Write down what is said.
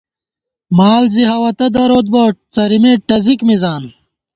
مال زی ہوَتہ دروت بہ ، څرِمېت ٹزِک مِزان